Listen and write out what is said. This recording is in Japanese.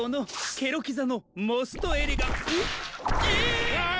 ケロキザ！